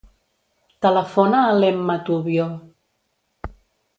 Telefona a l'Emma Tubio.